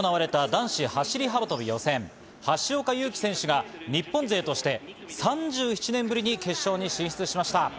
一昨日行われた男子走り幅跳び予選、橋岡優輝選手が日本勢として３７年ぶりに決勝に進出しました。